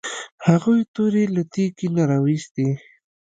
هغوی تورې له تیکي نه راویوستې.